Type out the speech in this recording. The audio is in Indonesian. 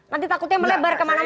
nanti takutnya melebar kemana mana